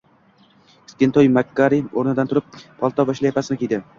Kichkintoy Mak-Garri o`rnidan turib, palto va shlyapasini kiydi